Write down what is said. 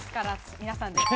皆さんで。